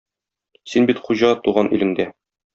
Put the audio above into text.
Син бит хуҗа туган илеңдә!